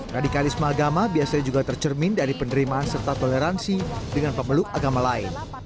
radikalisme agama biasanya juga tercermin dari penerimaan serta toleransi dengan pemeluk agama lain